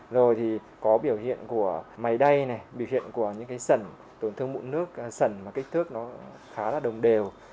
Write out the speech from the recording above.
rồi thì có biểu hiện của máy đay biểu hiện của những sẩn tổn thương mụn nước sẩn mà kích thước nó khá là đồng đều